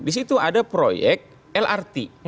di situ ada proyek lrt